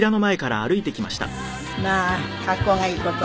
まあ格好がいいこと。